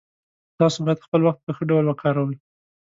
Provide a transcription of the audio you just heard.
تاسو باید خپل وخت په ښه ډول وکاروئ